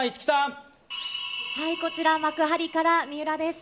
こちら、幕張から水卜です。